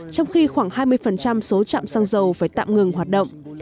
trong khi khoảng hai mươi số trạm xăng dầu phải tạm ngừng hoạt động